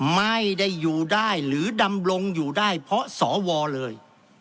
ไม่ได้อยู่ได้หรือดำรงอยู่ได้เพราะสวเลย